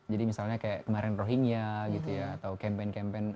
jadi misalnya kayak kemarin rohingya gitu ya atau campaign campaign